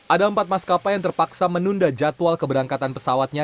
ada empat maskapai yang terpaksa menunda jadwal keberangkatan pesawatnya